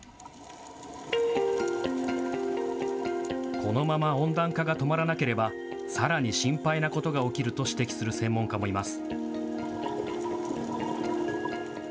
このまま温暖化が止まらなければさらに心配なことが起きると指摘する専門家もいます。